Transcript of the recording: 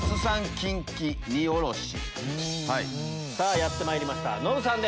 やってまいりましたノブさん。